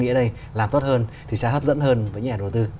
nghĩa đây làm tốt hơn thì sẽ hấp dẫn hơn với nhà đầu tư